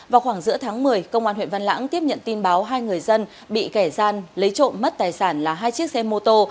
vào khoảng giữa tháng một mươi công an huyện văn lãng tiếp nhận tin báo hai người dân bị kẻ gian lấy trộm mất tài sản là hai chiếc xe mô tô